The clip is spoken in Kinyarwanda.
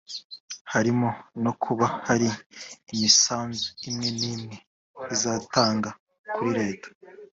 harimo no kuba hari imisanzu imwe n’imwe zidatanga kuri leta